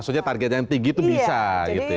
maksudnya target yang tinggi itu bisa gitu ya